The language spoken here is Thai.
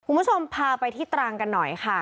คุณผู้ชมพาไปที่ตรังกันหน่อยค่ะ